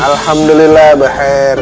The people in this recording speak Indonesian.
alhamdulillah mbak hair